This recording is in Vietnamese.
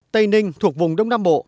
tây ninh thuộc vùng đông nam bộ